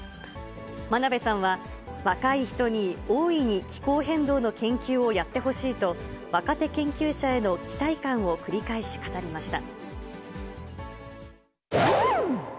真鍋さんは、若い人に大いに気候変動の研究をやってほしいと、若手研究者への期待感を繰り返し語りました。